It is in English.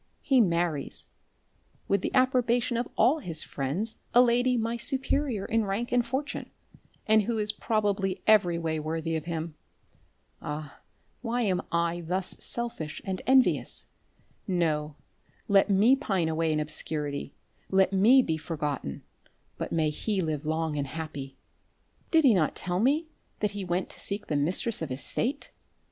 He marries, with the approbation of all his friends, a lady, my superior in rank and fortune, and who is probably every way worthy of him. Ah, why am I thus selfish and envious? No, let me pine away in obscurity, let me be forgotten. But may he live long and happy. Did he not tell me, that he went to seek the mistress of his fate?